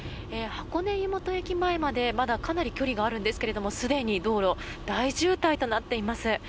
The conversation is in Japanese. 箱根湯本駅前までまだかなり距離があるんですけどすでに道路大渋滞となっています。